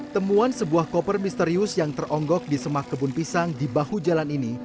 temuan sebuah koper misterius yang teronggok di semak kebun pisang di bahu jalan ini